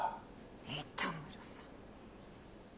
糸村さん。